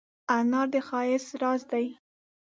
انار د ښایست راز دی.